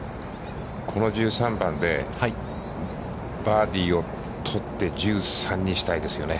この１３番でバーディーを取って、１３にしたいですよね。